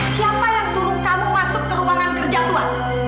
siapa yang suruh kamu masuk ke ruangan kerja tuhan